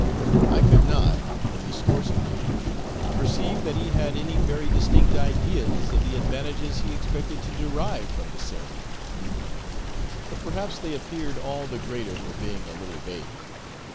I could not, in discoursing with him, perceive that he had any very distinct ideas of the advantages he expected to derive from the ceremony; but perhaps they appeared all the greater for being a little vague.